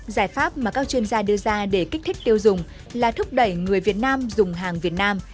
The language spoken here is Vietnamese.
giải pháp mà các chuyên gia đưa ra để kích thích tiêu dùng là thúc đẩy người việt nam dùng hàng việt nam